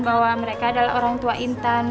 bahwa mereka adalah orang tua intan